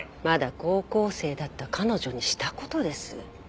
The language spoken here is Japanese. まだ高校生だった彼女にしたことです。